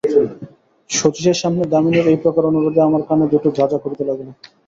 শচীশের সামনে দামিনীর এইপ্রকার অনুরোধে আমার কান দুটো ঝাঁ ঝাঁ করিতে লাগিল।